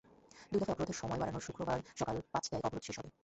দুই দফায় অবরোধের সময় বাড়ানোয় শুক্রবার সকাল পাঁচটায় অবরোধ শেষ হবে।